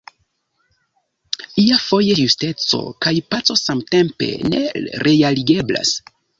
Iafoje justeco kaj paco samtempe ne realigeblas.